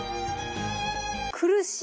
苦しい。